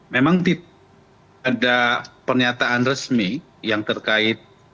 memang ada pernyataan resmi yang terkait